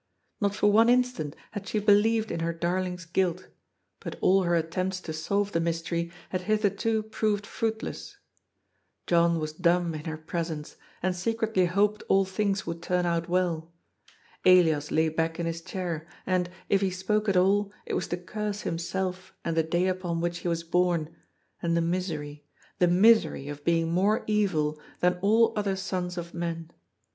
Not for one instant had she believed in her dar ling^s guilt, but all her attempts to solve the mystery had hitherto proved fruitless. John was dumb in her presence, and secretly hoped all things would turn out well. Elias lay back in his chair, and, if he spoke at all, it was to curse himself and the day upon which he was bom and the misery, the misery, of being more evil than all other sons of men.